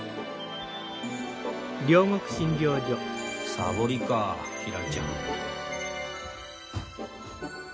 サボりかひらりちゃん。